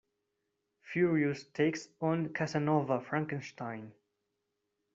Furious takes on Casanova Frankenstein.